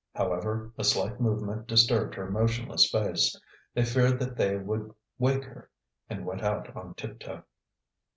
However, a slight movement disturbed her motionless face. They feared that they would wake her, and went out on tiptoe.